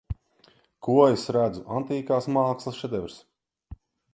Ko es redzu Antīkās mākslas šedevrs.